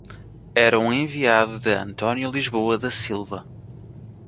Era um enviado de Antônio Lisboa da Silva.